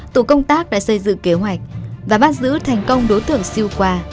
tổ công tác đã xây dựng kế hoạch và bắt giữ thành công đối tượng siêu khoa